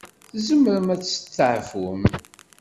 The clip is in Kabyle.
Tzemrem ad testeɛfum.